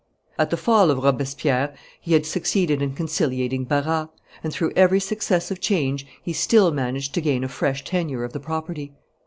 At the fall of Robespierre he had succeeded in conciliating Barras, and through every successive change he still managed to gain a fresh tenure of the property.